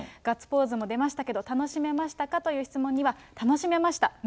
ガッツポーズも出ましたけど、楽しめましたかという質問には、楽しめました。